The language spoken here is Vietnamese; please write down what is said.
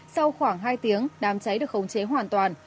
sau khoảng hai tiếng đám cháy được khống chế hoàn toàn